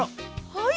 はい！